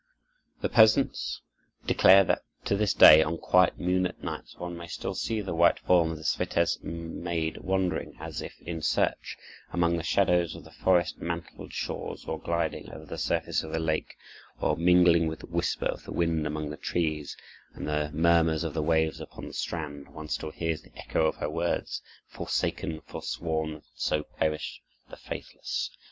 The peasants declare that to this day, on quiet moonlit nights, one may still see the white form of the Switez maid wandering, as if in search, among the shadows of the forest mantled shores or gliding over the surface of the lake; while mingling with the whisper of the wind among the trees and the murmurs of the waves upon the strand, one still hears the echo of her words: "Forsaken, forsworn. So perish the faithless."